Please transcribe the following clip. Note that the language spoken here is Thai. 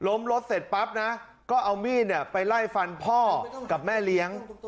รถเสร็จปั๊บนะก็เอามีดไปไล่ฟันพ่อกับแม่เลี้ยง